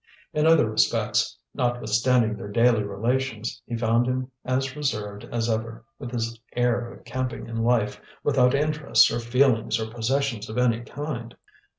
In other respects, notwithstanding their daily relations, he found him as reserved as ever, with his air of camping in life, without interests or feelings or possessions of any kind.